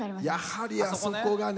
やはりあそこがね